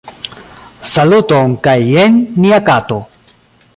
Saluton kaj jen nia kato